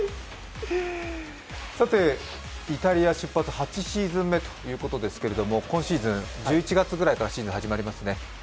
さて、イタリア出発８シーズン目ということですが今シーズン、１１月ぐらいからシーズンが始まりますね。